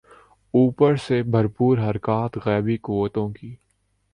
اوپر سے بھرپور حرکات غیبی قوتوں کی۔